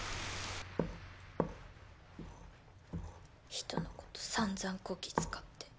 人のことさんざんこき使って。